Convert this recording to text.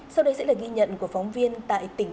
sau đây sẽ là ghi nhận của phóng viên tại tỉnh quảng nam